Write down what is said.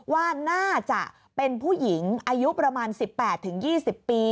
ว่าน่าจะเป็นผู้หญิงอายุประมาณ๑๘๒๐ปี